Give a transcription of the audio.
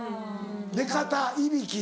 寝方いびき。